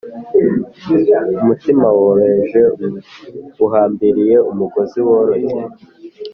umutima woroheje uhambiriye umugozi woroshye